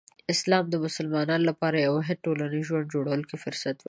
اسلام د مسلمانانو لپاره د یو واحد ټولنیز ژوند جوړولو فرصت ورکوي.